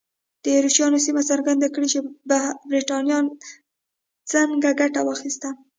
د ایروشیا سیمه څرګنده کړي چې برېټانیا څنګه ګټه واخیسته.